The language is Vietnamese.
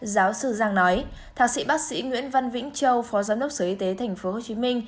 giáo sư giang nói thạc sĩ bác sĩ nguyễn văn vĩnh châu phó giám đốc sở y tế tp hcm